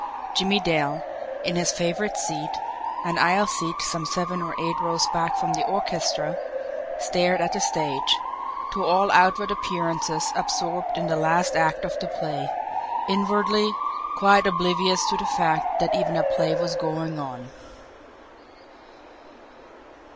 Jimmie Dale, in his favourite seat, an aisle seat some seven or eight rows back from the orchestra, stared at the stage, to all outward appearances absorbed in the last act of the play; inwardly, quite oblivious to the fact that even a play was going on.